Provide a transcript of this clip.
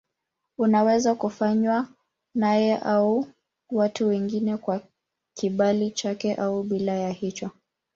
Unaweza kufanywa naye au na watu wengine kwa kibali chake au bila ya hicho.